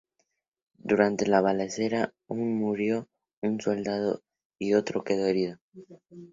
Durante la balacera un murió un soldado y otro quedó herido.